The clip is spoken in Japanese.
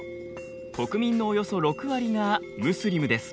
国民のおよそ６割がムスリムです。